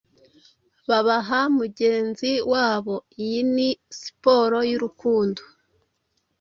babaha mugenzi wabo: Iyi ni siporo y'urukundo,